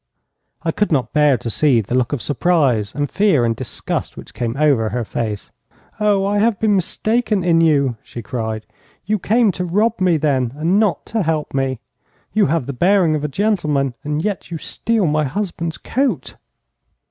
I could not bear to see the look of surprise and fear and disgust which came over her face. 'Oh, I have been mistaken in you!' she cried. 'You came to rob me, then, and not to help me. You have the bearing of a gentleman, and yet you steal my husband's coat.'